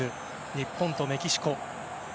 日本とメキシコ。